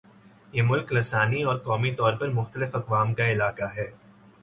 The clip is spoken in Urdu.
یہ ملک لسانی اور قومی طور پر مختلف اقوام کا علاقہ ہے